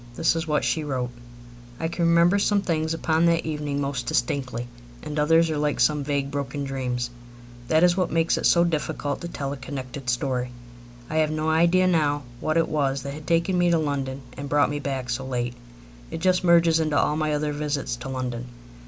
This is what she wrote: I can remember some things upon that evening most distinctly, and others are like some vague, broken dreams. That is what makes it so difficult to tell a connected story. I have no idea now what it was that had taken me to London and brought me back so late. It just merges into all my other visits to London.